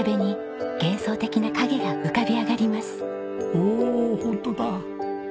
おおホントだ！